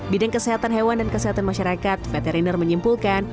bidang kesehatan hewan dan kesehatan masyarakat veteriner menyimpulkan